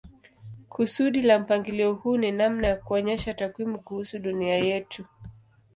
Kusudi la mpangilio huu ni namna ya kuonyesha takwimu kuhusu dunia yetu.